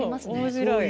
面白い。